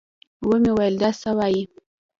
ومې ويل دا څه وايې.